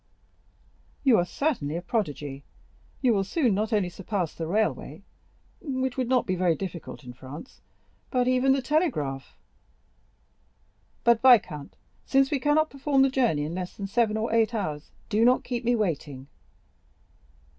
"You are certainly a prodigy; you will soon not only surpass the railway, which would not be very difficult in France, but even the telegraph." "But, viscount, since we cannot perform the journey in less than seven or eight hours, do not keep me waiting."